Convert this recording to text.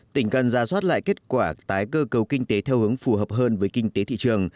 tỉnh cần ra soát lại kết quả tái cơ cấu kinh tế theo hướng phù hợp hơn với kinh tế thị trường